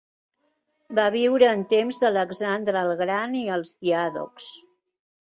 Va viure en temps d'Alexandre el Gran i els diàdocs.